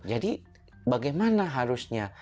jadi bagaimana harusnya